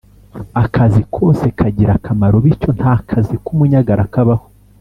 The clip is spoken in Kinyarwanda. akazi kose kagira akamaro bityo nta kazi kumunyagara kabaho